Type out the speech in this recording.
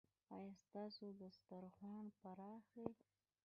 ایا ستاسو دسترخوان پراخ دی؟